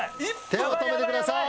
手を止めてください。